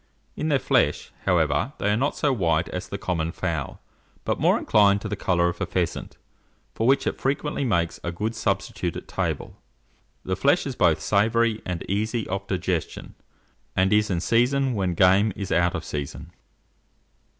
In their flesh, however, they are not so white as the common fowl, but more inclined to the colour of the pheasant, for which it frequently makes a good substitute at table. The flesh is both savoury and easy of digestion, and is in season when game is out of season.